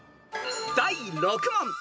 ［第６問］